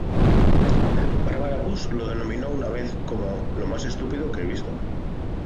Barbara Bush lo denominó una vez como 'lo más estúpido que he visto'.